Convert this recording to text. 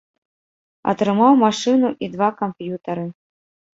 Атрымаў машыну і два камп'ютары.